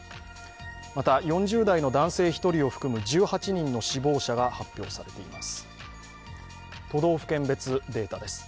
また、４０代の男性２人を含む１８人の死亡者が発表されています。